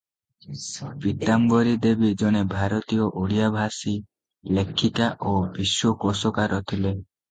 ପୀତାମ୍ବରୀ ଦେବୀ ଜଣେ ଭାରତୀୟ ଓଡ଼ିଆ-ଭାଷୀ ଲେଖିକା ଓ ବିଶ୍ୱକୋଷକାର ଥିଲେ ।